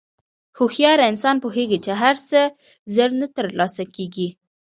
هوښیار انسان پوهېږي چې هر څه زر نه تر لاسه کېږي.